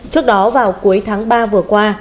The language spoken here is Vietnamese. trước đó vào cuối tháng ba vừa qua